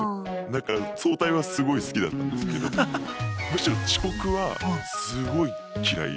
だから早退はすごい好きだったんですけどむしろ遅刻はすごい嫌いで。